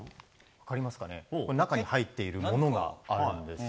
中に入っているものがあるんです。